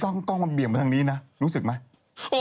กล้องมันเบี่ยงไปทางนี้นะรู้สึกไหม